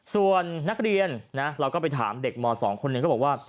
ส่วนนักเรียนนะเราก็ไปถามเด็กม๒คนหนึ่งก็บอกว่า